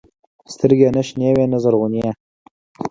سترګې يې نه شنې وې نه زرغونې.